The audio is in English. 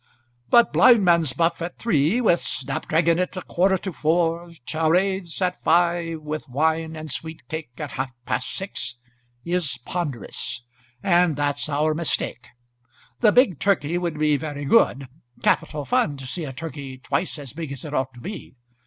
"But blindman's buff at three, with snap dragon at a quarter to four charades at five, with wine and sweet cake at half past six, is ponderous. And that's our mistake. The big turkey would be very good; capital fun to see a turkey twice as big as it ought to be!